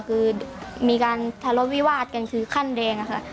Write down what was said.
คือมีการทะเลาะวิวาดกันคือขั้นแดงอะค่ะ